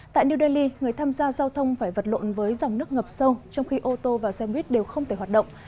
tại new delhi người tham gia giao thông phải vật lộn với dòng nước ngập sâu trong khi ô tô và xe buýt đều không thể hoạt động